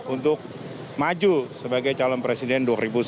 untuk maju sebagai calon presiden dua ribu sembilan belas